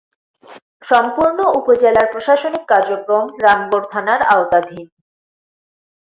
সম্পূর্ণ উপজেলার প্রশাসনিক কার্যক্রম রামগড় থানার আওতাধীন।